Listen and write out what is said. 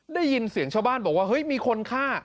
ได้ยินเสียงชาวบ้านบอกว่าเฮ้ยมีคนฆ่า